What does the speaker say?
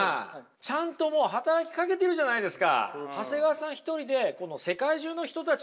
ちゃんともう働きかけてるじゃないですか！